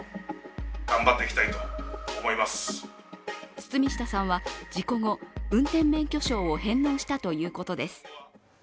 堤下さんは事故後運転免許証を返納したということです。